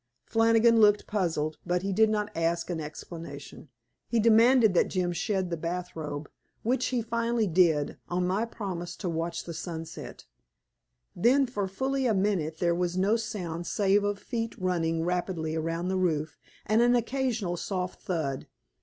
Flannigan looked puzzled, but he did not ask an explanation. He demanded that Jim shed the bath robe, which he finally did, on my promise to watch the sunset. Then for fully a minute there was no sound save of feet running rapidly around the roof, and an occasional soft thud.